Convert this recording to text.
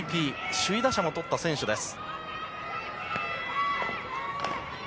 首位打者もとった選手です。